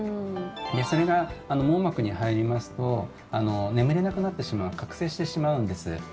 それが網膜に入りますと眠れなくなってしまう覚醒してしまうんです。